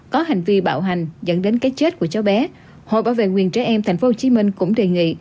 có hành vi bạo hành dẫn đến cái chết của cháu bé hội bảo vệ quyền trẻ em tp hcm cũng đề nghị